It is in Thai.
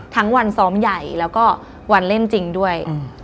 ทั้งวันซ้อมใหญ่แล้วก็วันเล่นจริงด้วย